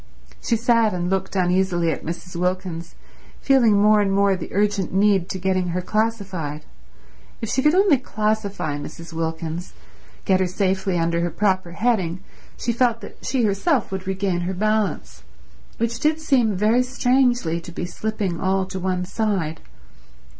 She sat and looked uneasily at Mrs. Wilkins, feeling more and more the urgent need to getting her classified. If she could only classify Mrs. Wilkins, get her safely under her proper heading, she felt that she herself would regain her balance, which did seem very strangely to be slipping all to one side.